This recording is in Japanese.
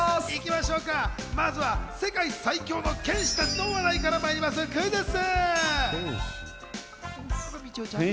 まずは世界最強の剣士たちの話題からまいります、クイズッス！